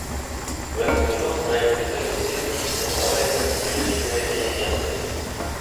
В этом году в проект резолюции внесены новые противоречивые элементы.